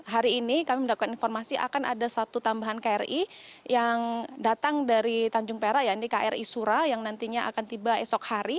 hari ini kami mendapatkan informasi akan ada satu tambahan kri yang datang dari tanjung perak ya ini kri sura yang nantinya akan tiba esok hari